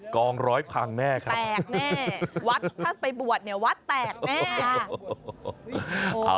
กองร้อยพังแน่ครับแตกแน่วัดถ้าไปบวชเนี่ยวัดแตกแน่